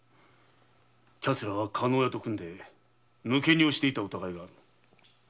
彼らは加納屋と組んで抜け荷をしていた疑いがある。